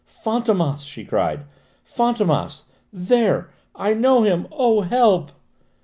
"Fantômas!" she cried: "Fantômas! There I know him! Oh, help!"